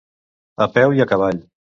A peu i a cavall.